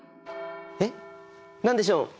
えっ何でしょう？